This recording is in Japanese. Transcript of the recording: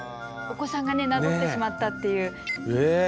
お子さんがねなぞってしまったっていう。